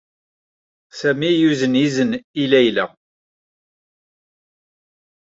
Sami yuzen izen i Layla.